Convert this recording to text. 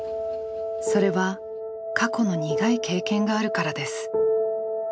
それは過去の苦い経験があるからです。